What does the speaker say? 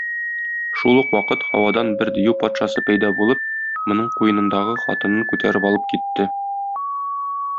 Шул ук вакыт һавадан бер дию патшасы пәйда булып, моның куенындагы хатынын күтәреп алып китте.